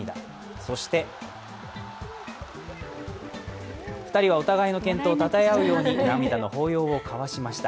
そして２人はお互いの健闘をたたえるように涙の抱擁を交わしました。